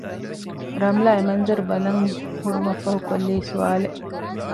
ރަމްލާ އެމަންޒަރު ބަލަން ހުރުމަށްފަހު ކޮށްލީ ސްވާލެއް